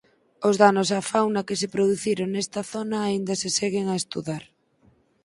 Os danos á fauna que se produciron nesta zona aínda se seguen a estudar.